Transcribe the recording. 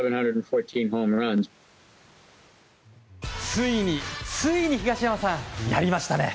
ついに東山さんやりましたね。